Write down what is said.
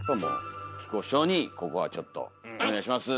木久扇師匠にここはちょっとお願いします。